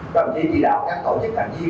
có lòng ý chỉ đạo các tổ chức thành viên